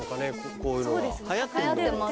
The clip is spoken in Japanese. こういうのははやってます